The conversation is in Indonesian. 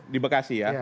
di bekasi ya